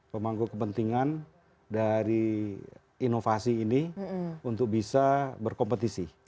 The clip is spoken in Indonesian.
pemangku kepentingan dari inovasi ini untuk bisa berkompetisi